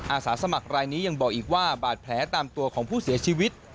อาสาสมัครรายนี้ยังบอกอีกว่าบาดแผลตามตัวของผู้เสียชีวิต